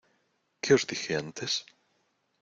¿ Qué os dije antes?